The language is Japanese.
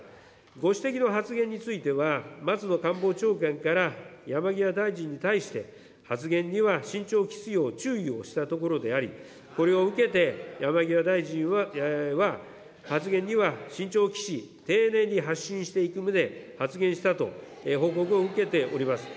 ご指摘の発言については、松野官房長官から、山際大臣に対して、発言には慎重を期すよう注意をしたところであり、これを受けて山際大臣は、発言には慎重を期し、丁寧に発信していく旨、発言したと報告を受けております。